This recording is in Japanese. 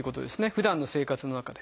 ふだんの生活の中で。